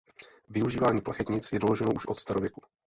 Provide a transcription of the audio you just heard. Využívání plachetnic je doloženo už od starověku.